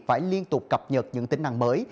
phải liên tục cập nhật những tính năng mới